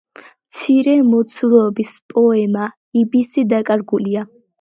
მცირე მოცულობის პოემა „იბისი“ დაკარგულია.